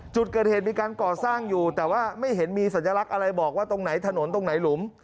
จุดเกิดเหตุมีการก่อสร้างอยู่แต่ว่าไม่เห็นมีสัญลักษณ์อะไรบอกว่าตรงไหนถนนตรงไหนหลุม